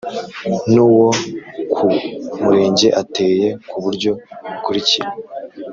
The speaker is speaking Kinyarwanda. n uwo ku Murenge ateye ku buryo bukurikira